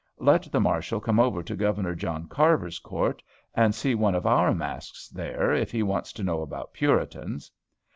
Let the Marshal come over to Gov. John Carver's court and see one of our masques there, if he wants to know about Puritans.